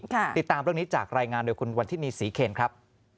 ติดตามเรื่องนี้จากรายงานโดยคุณวันทินีศรีเคนครับ